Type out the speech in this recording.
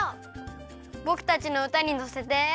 ぼくたちのうたにのせて。